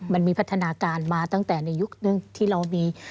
มันมีพัฒนาการมาตั้งแต่ในยุคนึงที่เรามี